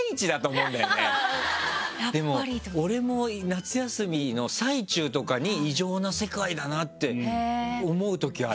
でも俺も夏休みの最中とかに異常な世界だなって思うときある。